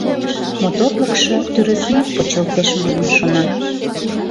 Моторлыкшо тӱрыснек почылтеш манын шона.